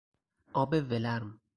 آب ولرم